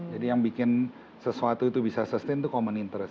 jadi yang bikin sesuatu itu bisa sustain tuh common interest